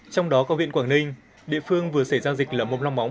trong đó có viện quảng ninh địa phương vừa xảy ra dịch lầm mốc lòng móng